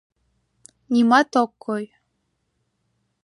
Нимат ок кой.